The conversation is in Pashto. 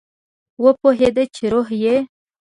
وپوهیده چې روح یې